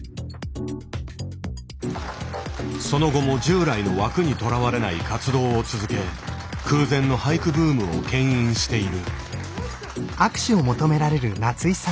その後も従来の枠にとらわれない活動を続け空前の俳句ブームを牽引している。